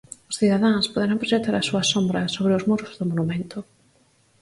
Os cidadáns poderán proxectar a súa sombra sobre os muros do monumento.